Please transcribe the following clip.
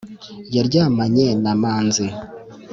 yaryamanye na manzi